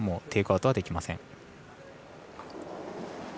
テイクアウトはできません。